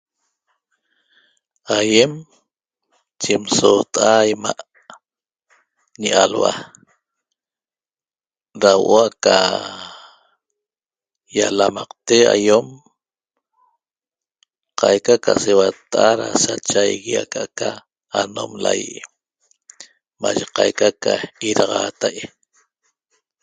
Aýem yim soota'a 'ima' ñi alhua da huo'o aca ýalamaqte aiom qaica ca seuatta'a da sachaigui aca'aca anom laýi' mayi qaica ca idaxaatai'